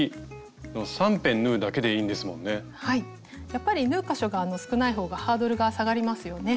やっぱり縫う箇所が少ない方がハードルが下がりますよね。